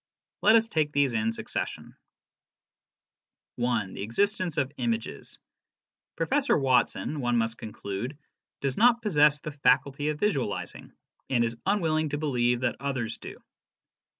Let us take these in suc cession. (1) Existence of Images. Professor Watson, one must con clude, does not possess the faculty of visualising, and is unwilling to believe that others do.